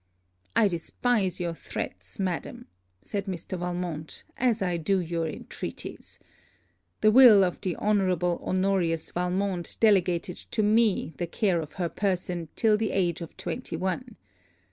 'I despise your threats, madam,' said Mr. Valmont, 'as I do your intreaties. The will of the Hon. Honorius Valmont delegated to me the care of her person till the age of twenty one.